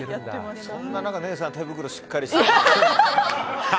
そんな中姉さんは手袋しっかりして。